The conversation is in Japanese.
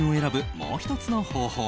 もう１つの方法。